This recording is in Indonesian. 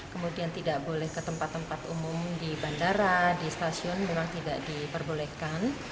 kemudian tidak boleh ke tempat tempat umum di bandara di stasiun memang tidak diperbolehkan